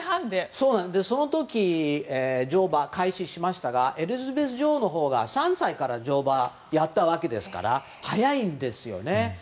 その時、乗馬を開始しましたがエリザベス女王のほうは３歳から乗馬をやったわけですから早いんですよね。